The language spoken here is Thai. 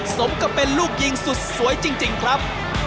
สมกับเป็นลูกยิงสุดสวยจริงครับ